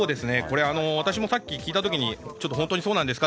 私もさっき聞いた時に本当にそうなんですか？